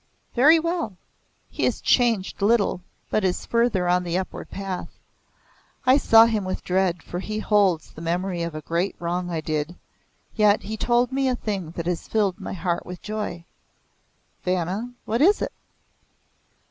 "Very well. He has changed little but is further on the upward path. I saw him with dread for he holds the memory of a great wrong I did. Yet he told me a thing that has filled my heart with joy." "Vanna what is it?"